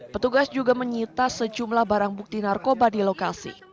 petugas juga menyita sejumlah barang bukti narkoba di lokasi